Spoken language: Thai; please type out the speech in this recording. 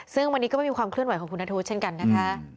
ซึ่งวันนี้ก็ไม่มีความเคลื่อนไหวของคุณนัทธวุฒิเช่นกันนะคะ